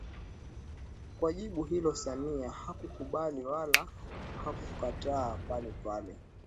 Kwa jibu hilo Samia hakukubali wala hakukataa palepale